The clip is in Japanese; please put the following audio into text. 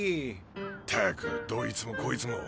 ったくどいつもこいつも。